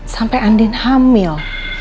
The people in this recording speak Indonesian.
sampai andin hamil